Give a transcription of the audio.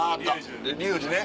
リュージュね。